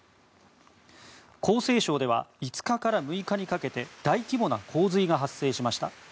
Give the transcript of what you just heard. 江西省では５日から６日にかけて大規模な洪水が発生しました。